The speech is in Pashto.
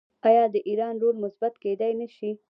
آیا د ایران رول مثبت کیدی نشي؟